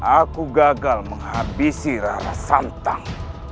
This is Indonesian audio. aku gagal menghabisi rara santang